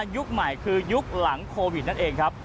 ยุคใหม่คือยุคหลังโควิดนั่นเองครับ